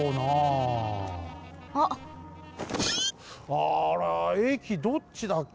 あらえきどっちだっけな？